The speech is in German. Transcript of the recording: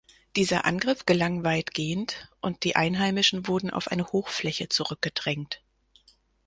Dieser Angriff gelang weitgehend, und die Einheimischen wurden auf eine Hochfläche zurückgedrängt.